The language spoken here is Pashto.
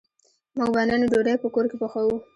موږ به نن ډوډۍ په کور کی پخوو